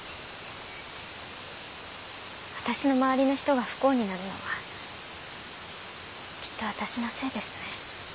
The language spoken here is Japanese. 私の周りの人が不幸になるのはきっと私のせいですね。